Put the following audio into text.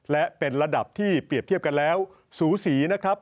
และเป็นระดับที่เปรียบเทียบกันแล้วสูสีนะครับ